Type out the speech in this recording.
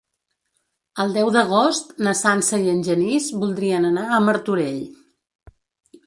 El deu d'agost na Sança i en Genís voldrien anar a Martorell.